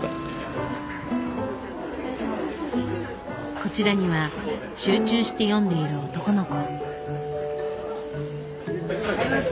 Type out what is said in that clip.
こちらには集中して読んでいる男の子。